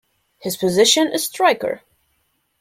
His position is striker.